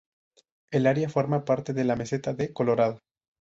El área forma parte de la meseta de Colorado.